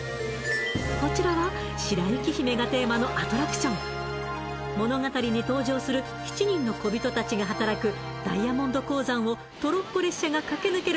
こちらは白雪姫がテーマのアトラクション物語に登場する７人のこびとたちが働くダイヤモンド鉱山をトロッコ列車が駆け抜ける